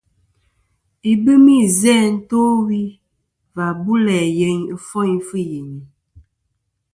Ibɨmi izæ to wi và bu læ yeyn ɨfoyn fɨ yini.